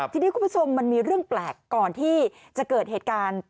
ทีนี้คุณผู้ชมมันมีเรื่องแปลกก่อนที่จะเกิดเหตุการณ์